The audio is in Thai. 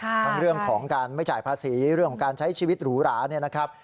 ทั้งเรื่องของการไม่จ่ายภาษีเรื่องของการใช้ชีวิตหรูหราเนี่ยนะครับ